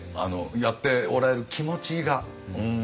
やっておられる気持ちが。